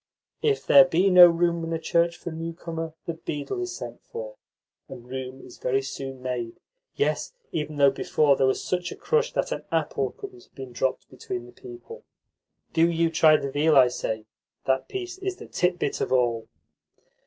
"If there be no room in a church for a newcomer, the beadle is sent for, and room is very soon made yes, even though before there was such a crush that an apple couldn't have been dropped between the people. Do you try the veal, I say. That piece is the titbit of all."